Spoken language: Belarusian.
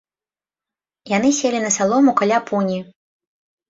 Яны селі на салому каля пуні.